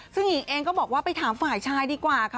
ซึ่งหญิงเองก็บอกว่าไปถามฝ่ายชายดีกว่าค่ะ